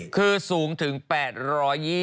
คือสูงถึง๘๒๙๘เมตร